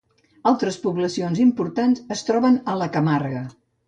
Altres poblacions importants es troben a la Camarga.